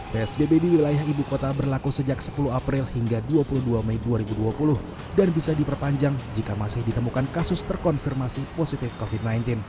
psbb di wilayah ibu kota berlaku sejak sepuluh april hingga dua puluh dua mei dua ribu dua puluh dan bisa diperpanjang jika masih ditemukan kasus terkonfirmasi positif covid sembilan belas